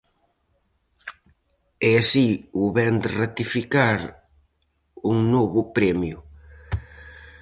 E así o vén de ratificar un novo premio.